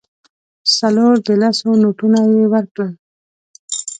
څلور د لسو نوټونه یې ورکړل.